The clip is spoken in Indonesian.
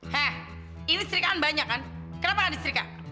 heh ini istrikan banyak kan kenapa gak ada istrikan